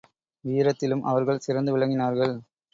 வீரத்திலும் அவர்கள் சிறந்து விளங்கினார்கள்.